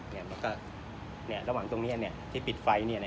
เนี่ยแล้วก็เนี่ยระหว่างตรงเนี่ยเนี่ยที่ปิดไฟเนี่ยเนี่ยเนี่ย